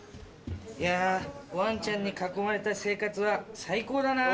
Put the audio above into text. いやワンちゃんに囲まれた生活は最高だな！